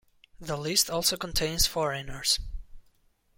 The list also contains foreigners.